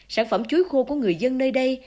sản phẩm chuối khô của người dân nơi đây